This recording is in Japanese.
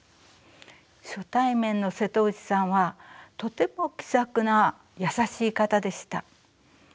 初対面の瀬戸内さんはとても気さくな優しい方でした。